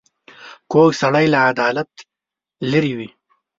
کوږ سړی له عدالت لیرې وي